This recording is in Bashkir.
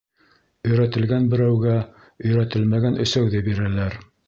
Өйрәтелгән берәүгә өйрәтелмәгән өсәүҙе бирәләр.